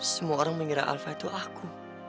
semua orang mengira alfa itu aku